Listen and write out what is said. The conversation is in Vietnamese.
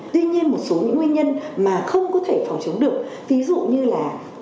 tuy nhiên một số những nguyên nhân mà không có thể phòng chống được ví dụ như là